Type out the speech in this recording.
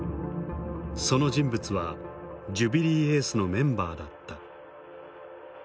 その人物はジュビリーエースのメンバーだった。